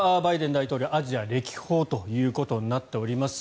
大統領アジア歴訪ということになっております。